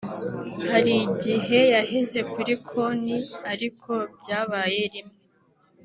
Hari igihe yaheze kuri konti ariko byabaye rimwe […]